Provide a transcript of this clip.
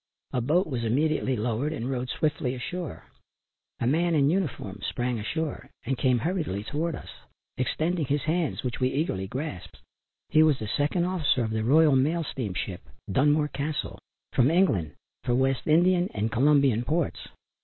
A boat was immediately lowered and rowed swiftly ashore. A man in uniform sprang ashore and came hurriedly to us, extending both his hands which we eagerly grasped. He was the second officer of the Royal Mail steamship Dunmore Castle, from England for West Indian and Colombian ports.